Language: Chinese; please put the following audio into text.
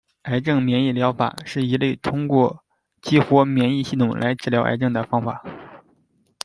癌症免疫疗法是一类通过激活免疫系统来治疗癌症的方法。